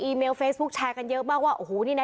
เมลเฟซบุ๊คแชร์กันเยอะมากว่าโอ้โหนี่นะ